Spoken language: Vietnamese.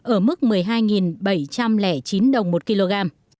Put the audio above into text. ở mức một mươi hai bảy trăm linh chín đồng một kg